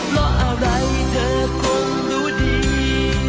เพราะอะไรเธอคงรู้ดี